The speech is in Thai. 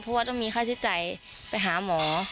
เพราะว่าต้องมีค่าใช้จ่ายไปหาหมอ